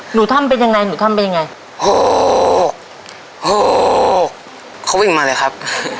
หนูทำเป็นยังไงหนูทำเป็นยังไงโอ้โหเขาวิ่งมาเลยครับ